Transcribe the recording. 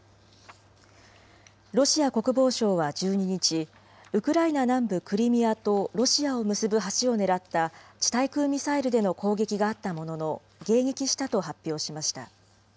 ロシア国防省は１２日、ウクライナ南部クリミアとロシアを結ぶ橋を狙った地対空ミサイルでの攻撃があったものの、迎撃したと発表しました。